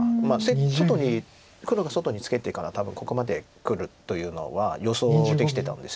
外に黒が外にツケてから多分ここまでくるというのは予想できてたんです。